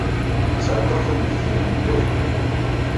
Sɛeddaɣ tameddit yelhan mliḥ.